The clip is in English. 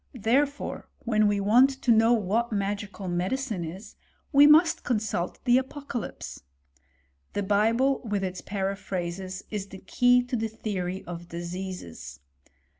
Therefore, when we want to know what magical medicine is, we must con salt the Apocalypse. The Bible, with its paraphrases, is the key to the theory of diseases.